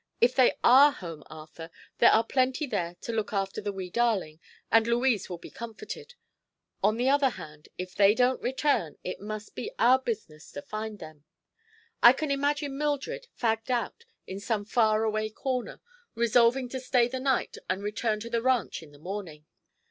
If they are home, Arthur, there are plenty there to look after the wee darling, and Louise will be comforted. On the other hand, if they don't return, it must be our business to find them. I can imagine Mildred, fagged out, in some far away corner, resolving to stay the night and return to the ranch in the morning."